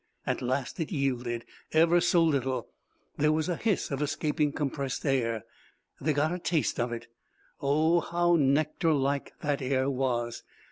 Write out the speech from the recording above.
At last it yielded, ever so little. There was a hiss of escaping compressed air. Then they got a taste of it. Oh, how nectarlike that air was!